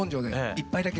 １杯だけ。